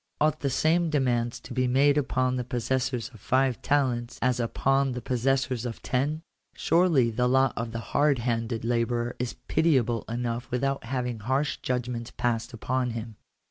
Ought the same demands to be made upon the possessors of five talents as upon the pos sessors of ten ? Surely the lot of the hard handed labourer is pitiable enough without having harsh judgments passed upon him.